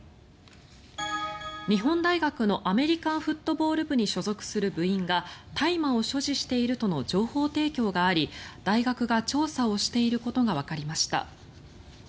日本大学のアメリカンフットボール部に所属する部員が大麻を所持しているとの情報提供があり大学が調査をしていることがわかりました。